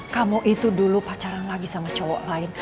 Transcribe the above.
kamu itu dulu pacaran lagi sama cowok lain